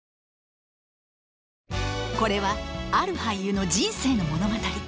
これはある俳優の人生の物語